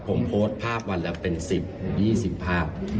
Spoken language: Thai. ผมโพสต์ภาพวันละเป็น๑๐๒๐ภาพ